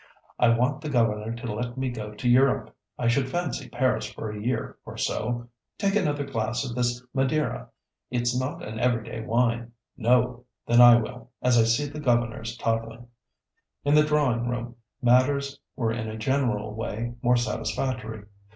I want the governor to let me go to Europe. I should fancy Paris for a year or so. Take another glass of this Madeira; it's not an everyday wine. No! Then I will, as I see the governor's toddlin'." In the drawing room matters were in a general way more satisfactory.